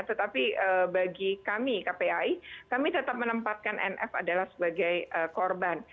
tetapi bagi kami kpai kami tetap menempatkan nf adalah sebagai korban